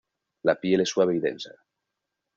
La piel es suave y densa.